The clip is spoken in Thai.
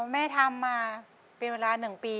แม่ทำมาเป็นเวลา๑ปี